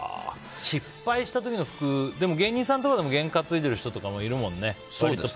失敗した時の服でも、芸人さんとかでも験を担ぐ人とかもいるもんね。